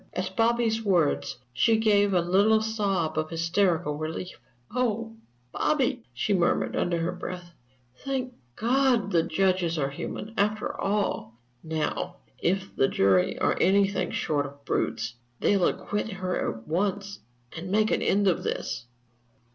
At Bobby's words she gave a little sob of hysterical relief. "Oh, Bobby," she murmured, under her breath, "thank God that judges are human, after all! Now, if the jury are anything short of brutes, they'll acquit her at once and make an end of this."